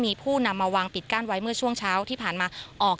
มีผู้นำมาวางปิดกั้นไว้เมื่อช่วงเช้าที่ผ่านมาออก